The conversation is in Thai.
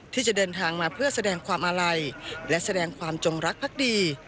ที่จะเดินทางมาเพื่อแสดงความอาลัยและแสดงความจงรักพักดี